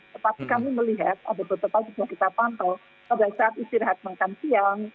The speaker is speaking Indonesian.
tetapi kami melihat ada beberapa sudah kita pantau pada saat istirahat makan siang